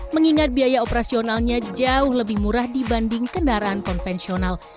mengingat biaya operasionalnya jauh lebih murah dibanding kendaraan konvensional